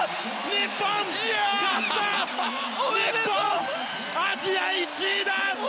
日本、アジア１位だ！